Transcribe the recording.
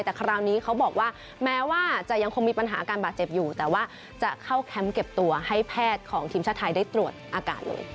แต่คราวนี้เขาบอกว่าแม้ว่าจะยังคงมีปัญหาอาการบาดเจ็บอยู่แต่ว่าจะเข้าแคมป์เก็บตัวให้แพทย์ของทีมชาติไทยได้ตรวจอากาศเลย